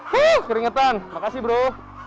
huh keringetan makasih bro